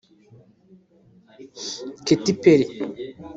Katy Perry